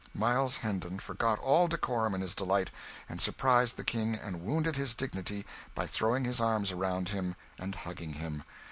Miles Hendon forgot all decorum in his delight; and surprised the King and wounded his dignity, by throwing his arms around him and hugging him.